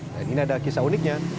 dan ini ada kisah uniknya